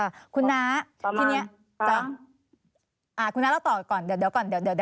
ค่ะคุณน้าประมาณค่ะอ่าคุณน้าแล้วต่อก่อนเดี๋ยวก่อนเดี๋ยว